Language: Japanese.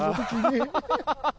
ハハハハ！